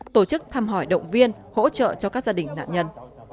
tổ chức thăm hỏi động viên hỗ trợ cho các gia đình nạn nhân